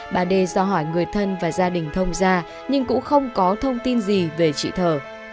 bà đê do hỏi người thân và gia đình thông ra nhưng cũng không có thông tin gì về chị thở